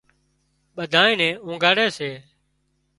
ٻڌانئين نين اونگھاڙي سي